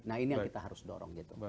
nah ini yang kita harus dorong gitu